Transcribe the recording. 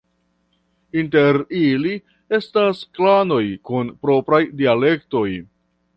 Inter ili estas klanoj kun propraj dialektoj.